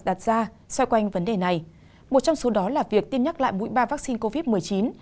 đặt ra xoay quanh vấn đề này một trong số đó là việc tiêm nhắc lại mũi ba vaccine covid một mươi chín